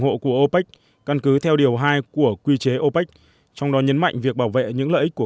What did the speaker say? hộ của opec căn cứ theo điều hai của quy chế opec trong đó nhấn mạnh việc bảo vệ những lợi ích của